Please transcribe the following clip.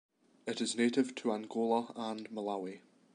It is native to Angola and Malawi.